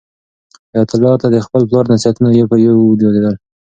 حیات الله ته د خپل پلار نصیحتونه یو په یو یادېدل.